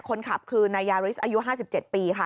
คนขับคือนายยาริสอายุ๕๗ปีค่ะ